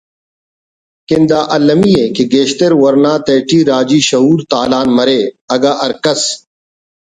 کن دا المی ءِ کہ گیشتر ورنا تیٹی راجی شعور تالان مرے اگہ ہر کس